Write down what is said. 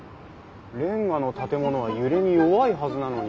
れんがの建物は揺れに弱いはずなのに。